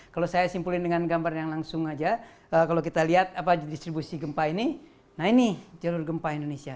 kalau saya simpulin dengan gambar yang langsung aja kalau kita lihat distribusi gempa ini nah ini jalur gempa indonesia